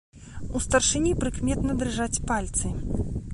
У старшыні прыкметна дрыжаць пальцы.